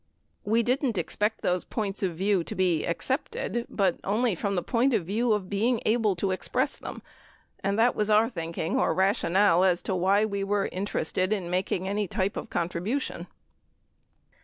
We didn't expect those points of view to be accepted, but only from the point of view of being able to express them and that was our thinking or rationale as to why we were inter ested in making any type of contribution.